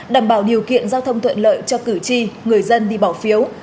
đảm bảo điều kiện giao thông tuyện lợi cho cử tri người dân đi bảo phiếu